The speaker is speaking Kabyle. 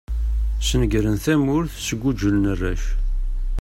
Snegren tamurt, sguǧlen arrac.